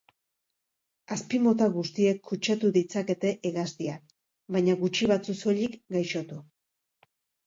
Azpimota guztiek kutsatu ditzakete hegaztiak, baina gutxi batzuk soilik gaixotu.